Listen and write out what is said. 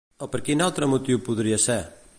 O per quin altre motiu podria ser?